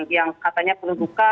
yang katanya penuh buka